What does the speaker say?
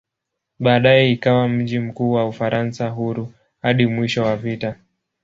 Baadaye ikawa mji mkuu wa "Ufaransa Huru" hadi mwisho wa vita.